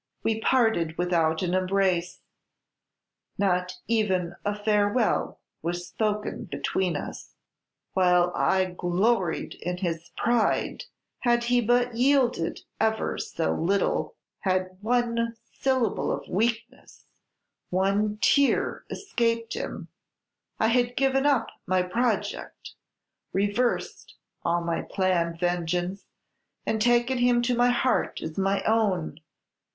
"We parted without an embrace; not even a farewell was spoken between us. While I gloried in his pride, had he but yielded ever so little, had one syllable of weakness, one tear escaped him, I had given up my project, reversed all my planned vengeance, and taken him to my heart as my own.